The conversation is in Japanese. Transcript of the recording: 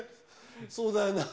そうだよな。